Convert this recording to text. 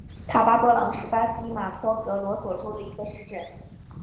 塔巴波朗是巴西马托格罗索州的一个市镇。